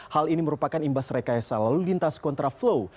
hal ini merupakan imbas rekayasa lalu lintas kontra flow